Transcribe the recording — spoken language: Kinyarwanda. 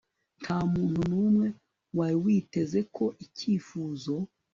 nta muntu numwe wari witeze ko icyifuzo